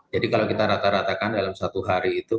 jadi kalau kita rata ratakan dalam satu hari itu